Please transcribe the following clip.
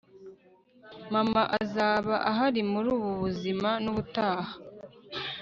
mama azaba ahari muri ubu buzima nubutaha